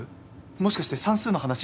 もしかして算数の話してる？